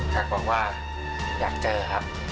อยากบอกว่าอยากเจอครับ